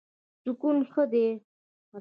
سکون ښه دی.